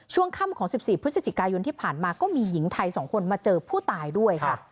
ช่วงค่ำของ๑๔พฤศจิกายนที่ผ่านมาก็มีหญิงไทย๒คนมาเจอผู้ตายด้วยค่ะ